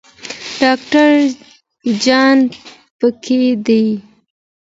ډاکټر جان پکې دی.